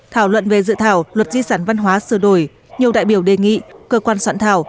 thảo luận về dự thảo luật di sản văn hóa sửa đổi nhiều đại biểu đề nghị cơ quan soạn thảo